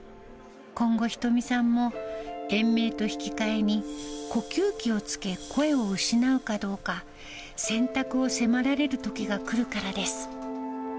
今後、仁美さんも延命と引き換えに、呼吸器をつけ、声を失うかどうか、選択を迫られるときが来るからです。